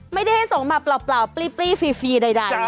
ไม่ได้ให้ส่งมาเปล่าปลี้ฟรีใด